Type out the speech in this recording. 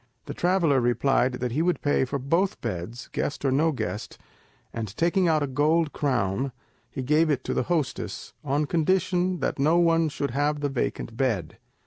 The traveller replied that he would pay for both beds, guest or no guest; and taking out a gold crown he gave it to the hostess, on condition that no one should have the vacant bed.